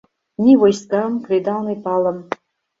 Ни войскам, кредалме палым